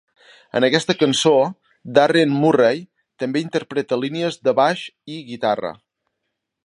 En aquesta cançó, Darren Murray també interpreta línies de baix i guitarra.